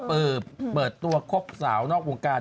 เปิดตัวครบสาวนอกวงการ